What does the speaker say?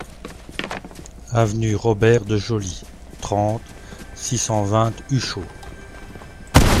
Avenue Robert de Joly, trente, six cent vingt Uchaud